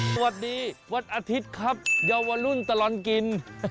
สวัสดีวันอาทิตย์ครับเยาวรุ่นตลอดกิน